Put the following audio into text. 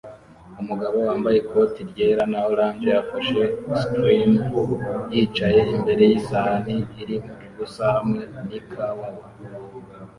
Umugabo wambaye ikoti ryera na orange afashe cream yicaye imbere yisahani irimo ubusa hamwe nikawawa